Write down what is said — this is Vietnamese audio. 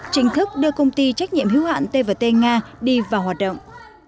chính thức đưa công ty trách nhiệm hiếu hạn t t nga đi vào hoạt động